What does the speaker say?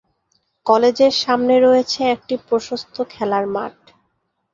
কলেজের সামনে রয়েছে একটি প্রশস্ত খেলার মাঠ।